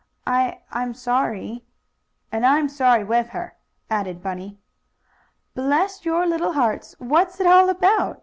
"I I'm sorry." "And I'm sorry with her," added Bunny. "Bless your little hearts! What's it all about?"